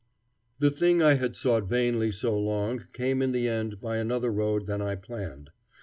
The thing I had sought vainly so long came in the end by another road than I planned.